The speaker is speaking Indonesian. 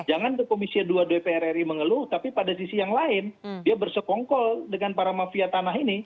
jangan komisi dua dpr ri mengeluh tapi pada sisi yang lain dia bersekongkol dengan para mafia tanah ini